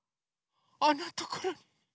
あんなところに。